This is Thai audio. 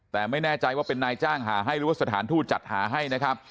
แต่ไม่แน่ใจว่าเป็นนายจ้างหาให้หรือว่าสถานทูตจัดหาให้นะครับ